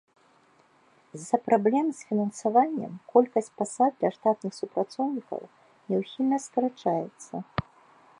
З-за праблем з фінансаваннем колькасць пасад для штатных супрацоўнікаў няўхільна скарачаецца.